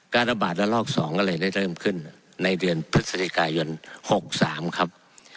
ระบาดระลอก๒ก็เลยได้เริ่มขึ้นในเดือนพฤศจิกายน๖๓ครับ